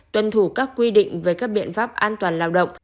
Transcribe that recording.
tuân thủ các quy định về các biện pháp an toàn lao động